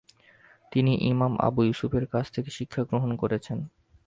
তিনি ইমাম আবু ইউসুফের কাছ থেকে শিক্ষা গ্রহণ করেছেন।